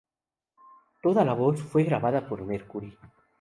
Toda la voz fue grabada por Mercury.